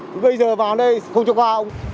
thì bây giờ vào đây không cho qua